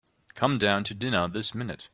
Come down to dinner this minute.